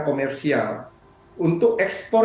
komersial untuk ekspor